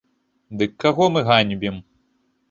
Дык каго мы ганьбім?